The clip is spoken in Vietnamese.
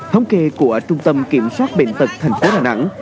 trong trường hợp của trung tâm kiểm soát bệnh tật thành phố đà nẵng